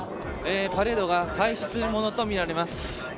パレードが開始するものとみられます。